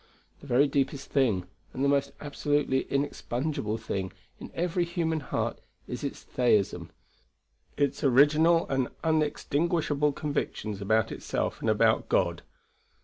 The very deepest thing, and the most absolutely inexpugnable thing, in every human heart is its theism; its original and inextinguishable convictions about itself and about God.